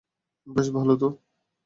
বেশ ভালো তো!